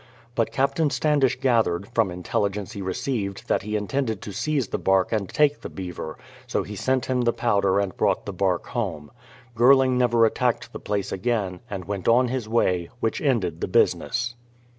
But Captain Standish gathered, from intelligence he re ceived that he intended to seize the bark and take the beaver, so he sent him the powder and brought the bark home. Girling never attacked the place again, and went on his way; which ended the business.